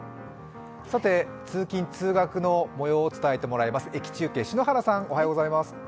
通勤・通学の模様を伝えてもらいます、駅中継